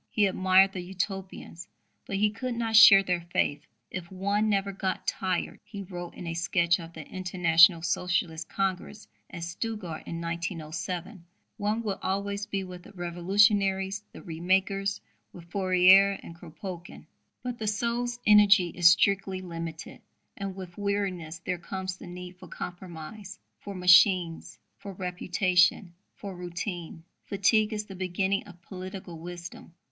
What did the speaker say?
He admired the Utopians, but he could not share their faith. "If one never got tired," he wrote in a sketch of the International Socialist Congress at Stuttgart in 1907, "one would always be with the revolutionaries, the re makers, with Fourier and Kropotkin. But the soul's energy is strictly limited; and with weariness there comes the need for compromise, for 'machines,' for reputation, for routine. Fatigue is the beginning of political wisdom."